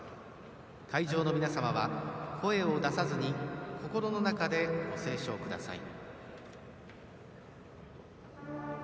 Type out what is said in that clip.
会場の皆様は声を出さずに心の中でご斉唱ください。